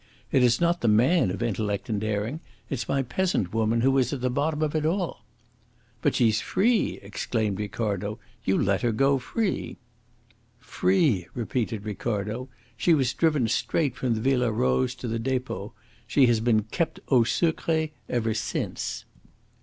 It is not the man of intellect and daring; it's my peasant woman who is at the bottom of it all." "But she's free!" exclaimed Ricardo. "You let her go free!" "Free!" repeated Ricardo. "She was driven straight from the Villa Rose to the depot. She has been kept AU SECRET ever since."